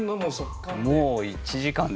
もう１時間で。